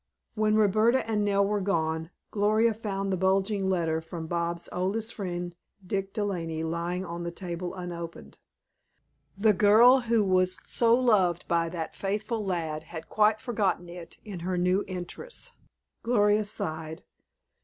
When Roberta and Nell were gone, Gloria found the bulging letter from Bobs' oldest friend, Dick De Laney, lying on the table unopened. The girl who was so loved by that faithful lad had quite forgotten it in her new interests. Gloria sighed.